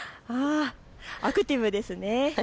アクティブですね。